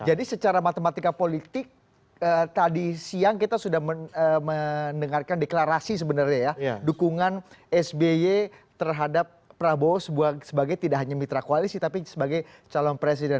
jadi secara matematika politik tadi siang kita sudah mendengarkan deklarasi sebenarnya ya dukungan sby terhadap prabowo sebagai tidak hanya mitra koalisi tapi sebagai calon presiden